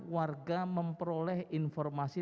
warga memperoleh informasi